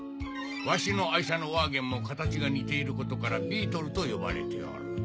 わしの愛車のワーゲンも形が似ていることから「ビートル」と呼ばれておる。